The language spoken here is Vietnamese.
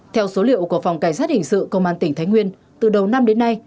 theo số liệu của phòng cảnh sát hình sự công an tỉnh thái nguyên từ đầu năm đến nay